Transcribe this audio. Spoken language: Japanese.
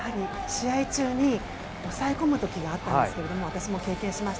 試合中に抑え込む時があったんですが私も経験しました。